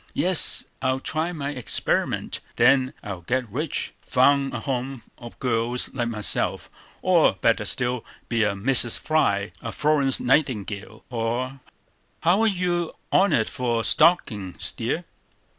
"Yes, I'll try my experiment; then I'll get rich; found a home for girls like myself; or, better still, be a Mrs. Fry, a Florence Nightingale, or"— "How are you on't for stockin's, dear?"